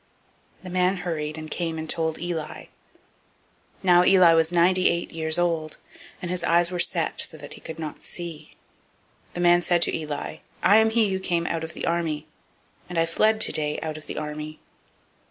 The man hurried, and came and told Eli. 004:015 Now Eli was ninety eight years old; and his eyes were set, so that he could not see. 004:016 The man said to Eli, I am he who came out of the army, and I fled today out of the army.